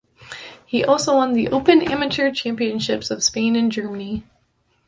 He also won the open amateur championships of Spain and Germany.